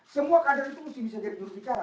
semua kader itu masih bisa jadi juru bicara